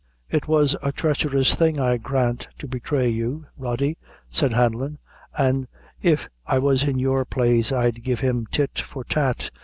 "It was a treacherous thing, I grant, to betray you, Rody," said Hanlon; "an' if I was in your place, I'd give him tit for tat.